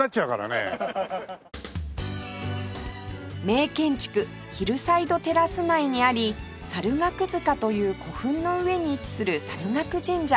名建築ヒルサイドテラス内にあり猿楽塚という古墳の上に位置する猿楽神社